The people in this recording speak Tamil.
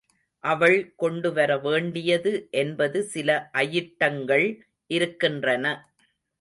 அவள் கொண்டுவரவேண்டியது என்பது சில அயிட்டங்கள் இருக்கின்றன.